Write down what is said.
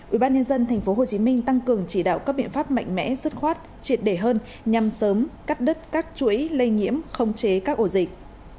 hai ubnd tp hcm tăng cường chỉ đạo các biện pháp mạnh mẽ sức khoát triệt đề hơn nhằm sớm cắt đứt các chuỗi lây nhiễm không chế các ổ dịch